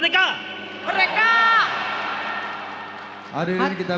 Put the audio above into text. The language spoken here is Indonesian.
ram states tanggapan